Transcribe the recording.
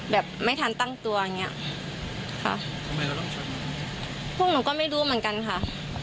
แบบไม่ทันตั้งตัวอย่างเงี้ยค่ะทำไมก็ต้องชนพวกหนูก็ไม่รู้เหมือนกันค่ะ